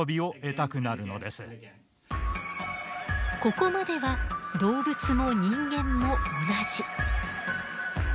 ここまでは動物も人間も同じ。